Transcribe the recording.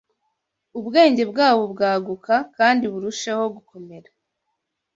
ubwenge bwabo bwaguka kandi burusheho gukomera